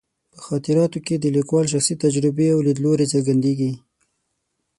په خاطراتو کې د لیکوال شخصي تجربې او لیدلوري څرګندېږي.